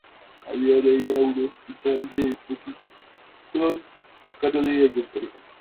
Había en ella un Hospital de expósitos a cargo del Ayuntamiento.